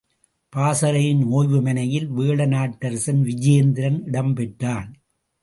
பாசறையின் ஒய்வுமனையில் வேழ நாட்டரசன் விஜயேந்திரன் இடம் பெற்றான்.